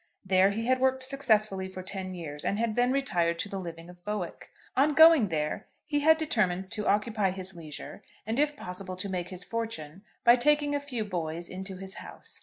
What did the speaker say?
There he had worked successfully for ten years, and had then retired to the living of Bowick. On going there he had determined to occupy his leisure, and if possible to make his fortune, by taking a few boys into his house.